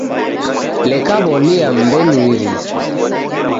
Leka wonia mmbenyu iriso